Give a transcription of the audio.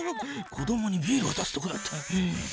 子どもにビールわたすとこだった。